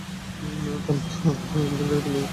তার মাতা ধ্রুপদী পিয়ানোবাদক ছিলেন।